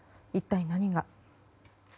一体、何が。